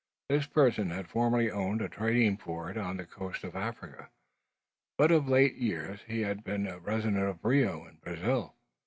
This person had formerly owned a trading fort on the coast of Africa, but of late years had been a resident of Rio in Brazil.